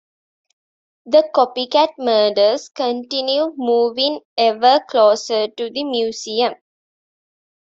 The copycat murders continue, moving ever closer to the museum.